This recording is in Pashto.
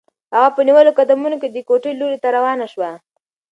هغه په نیولو قدمونو د کوټې لوري ته روانه شوه.